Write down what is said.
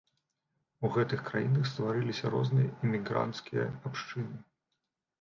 У гэтых краінах стварыліся розныя эмігранцкія абшчыны.